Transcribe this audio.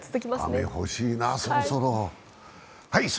雨、欲しいな、そろそろ。